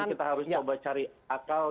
kita harus coba cari akal